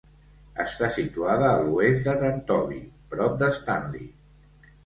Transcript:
Està situat a l'oest de Tantobie, prop de Stanley.